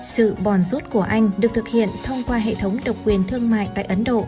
sự bòn rút của anh được thực hiện thông qua hệ thống độc quyền thương mại tại ấn độ